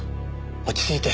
落ち着いて。